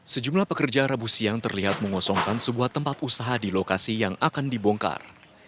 sejumlah pekerja rabu siang terlihat mengosongkan sebuah tempat usaha di lokasi yang akan dibongkar